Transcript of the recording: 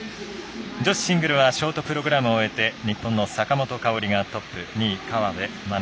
女子シングルはショートプログラムを終えて日本の坂本花織がトップ２位、河辺愛菜。